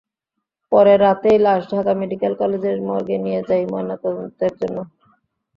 পরে রাতেই লাশ ঢাকা মেডিকেল কলেজের মর্গে নিয়ে যাই ময়নাতদন্তের জন্য।